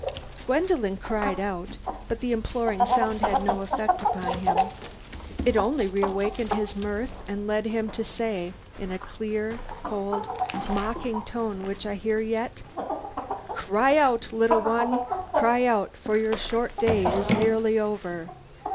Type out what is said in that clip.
Gwendolen cried out, but the imploring sound had no effect upon him; it only reawakened his mirth and led him to say, in a clear, cold, mocking tone which I hear yet, 'Cry out, little one, for your short day is nearly over.